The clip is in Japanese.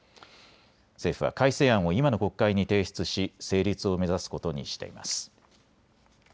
政府は改正案を今の国会に提出し成立を目指すことにしています。